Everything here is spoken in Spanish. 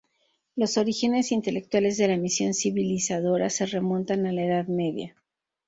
Los orígenes intelectuales de la misión civilizadora se remontan a la Edad Media.